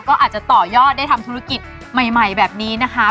ก็อาจจะต่อยอดได้ทำธุรกิจใหม่แบบนี้นะคะ